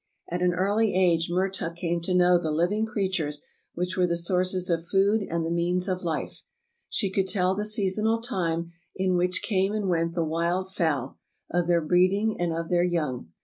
At an early age Mertuk came to know the living creatures which w^ere the sources of food and the means of life. She could tell the seasonal time in which came and went the wild fowl, of their breeding and of their young.